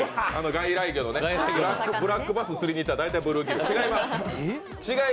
外来魚のね、ブラックバス釣りに行ったら大体ブルーギル、違います。